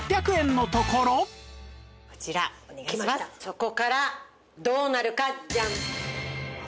そこからどうなるかジャン。